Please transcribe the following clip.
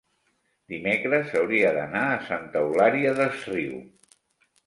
Dimecres hauria d'anar a Santa Eulària des Riu.